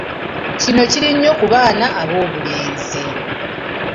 Kino kiri nnyo ku baana ab'obulenzi.